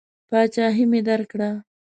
پاچهي مې درکړه.